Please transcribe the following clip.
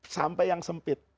sampai yang sempit